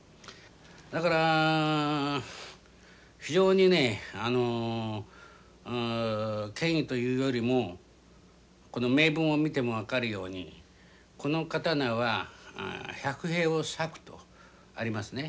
だから非常にねあの権威というよりもこの銘文を見ても分かるようにこの刀は百兵をさくとありますね。